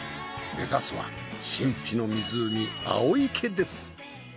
目指すは神秘の湖青池です。